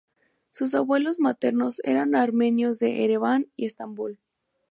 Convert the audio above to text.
Sus abuelos maternos eran armenios de Ereván y Estambul.